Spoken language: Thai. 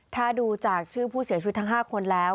ถ้าดูจากชื่อผู้เสียชีวิตทั้ง๕คนแล้ว